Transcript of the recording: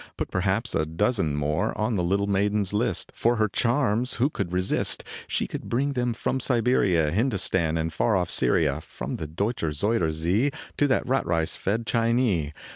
Put perhaps a dozen more On the little maiden s list, For her charms who could resist ? She could bring them from Siberia, Hindostan, or far oft Syria, From the Deutscher Zuyder Zee To the rat rice fed Chinee.